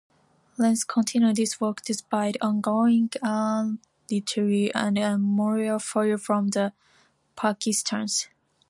Rane continued this work despite ongoing artillery and mortar fire from the Pakistanis.